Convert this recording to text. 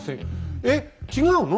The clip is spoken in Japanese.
えっ違うの？